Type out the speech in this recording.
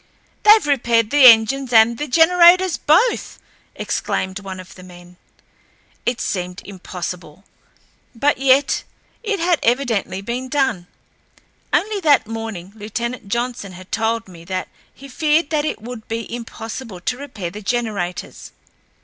"They've repaired the engines and the generators both," exclaimed one of the men. It seemed impossible, but yet it had evidently been done. Only that morning, Lieutenant Johnson had told me that he feared that it would be impossible to repair the generators.